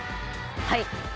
はい！